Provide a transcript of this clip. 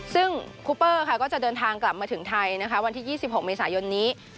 ซึ่งคูเปอร์ค่ะก็จะเดินทางกลับมาถึงไทยวันที่๒๖เมษายนนี้